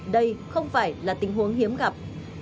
đây không phải là tình huống hiếm gặp